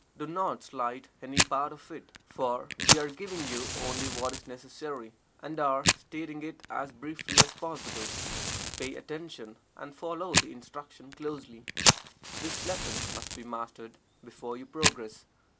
Do not slight any part of it, for we are giving you only what is necessary, and are stating it as briefly as possible. Pay attention, and follow the instruction closely. This lesson must be mastered before you progress.